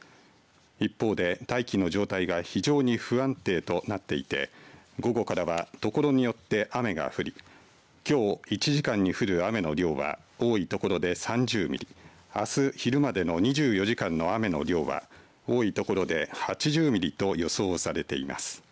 一方で、大気の状態が非常に不安定となっていて午後からはところによって雨が降りきょう１時間に降る雨の量は多いところで３０ミリあす昼までの２４時間の雨の量は多いところで８０ミリと予想されています。